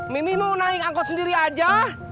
mimi mau naik angkot sendiri aja